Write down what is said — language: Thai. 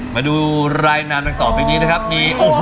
มาดูรายนามดังต่อไปนี้นะครับมีโอ้โห